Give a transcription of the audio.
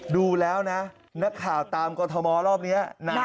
ดูแล้วนะนักข่าวตามกรทมรอบนี้นะ